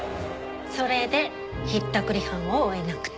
それでひったくり犯を追えなくて。